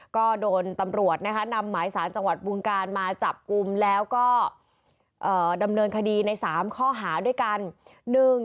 ก็โดนตำรวจนะคะนำหมายสารจังหวัดบึงการมาจับกลุ่มแล้วก็ดำเนินคดีใน๓ข้อหาด้วยกัน